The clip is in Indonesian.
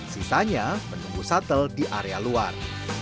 sisanya menunggu shuttle di area luar